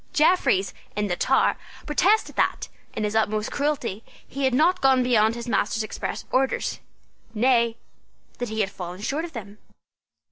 Jeffreys, in the Tower, protested that, in his utmost cruelty, he had not gone beyond his master's express orders, nay, that he had fallen short of them.